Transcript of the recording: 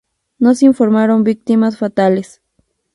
No se informaron víctimas fatales.